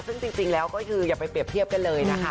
ซึ่งจริงแล้วก็คืออย่าไปเปรียบเทียบกันเลยนะคะ